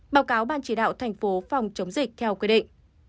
báo cáo ban chỉ đạo tp phòng chống dịch theo quy định